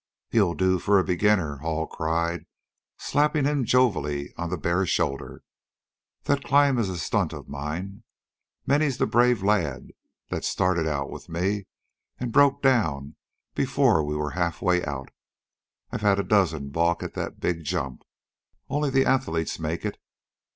"You'll do, for a beginner," Hall cried, slapping him jovially on the bare shoulder. "That climb is a stunt of mine. Many's the brave lad that's started with me and broken down before we were half way out. I've had a dozen balk at that big jump. Only the athletes make it."